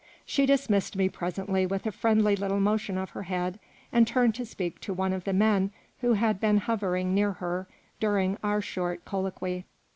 She dismissed me presently with a friendly little motion of her head, and turned to speak to one of the men who had been hovering near her during our short colloquy.